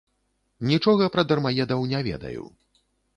Нічога пра дармаедаў не ведаю.